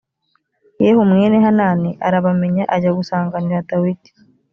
yehu mwene hanani arabamenya ajya gusanganira dawidi